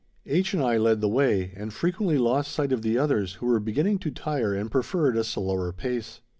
H. and I led the way, and frequently lost sight of the others who were beginning to tire and preferred a slower pace.